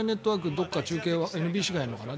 どこか中継ＮＢＣがやるのかな？